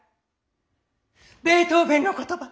ベートーベンの言葉。